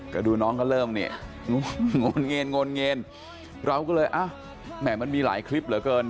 ก็ดูน้องก็เริ่มเนี่ยโง่นเงียนโง่นเงียนเราก็เลยมันมีหลายคลิปเหลือเกิน